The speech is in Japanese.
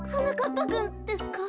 ぱくんですか？